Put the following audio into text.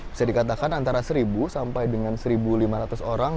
bisa dikatakan antara seribu sampai dengan satu lima ratus orang